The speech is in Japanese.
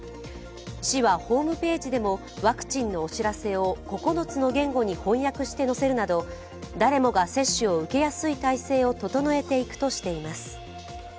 市はホームページでも、ワクチンのお知らせを９つの言語に翻訳して載せるなど誰もが接種を受けやすい体制を整えていくとしています。